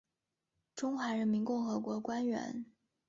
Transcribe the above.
中华人民共和国官员。